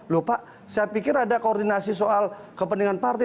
loh pak saya pikir ada koordinasi soal kepentingan parti